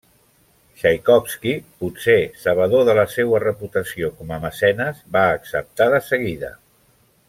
Txaikovski, potser sabedor de la seua reputació com a mecenes, va acceptar de seguida.